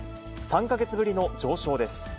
３か月ぶりの上昇です。